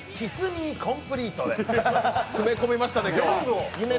詰め込みましたね、今日は。